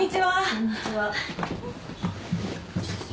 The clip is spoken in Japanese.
こんにちは。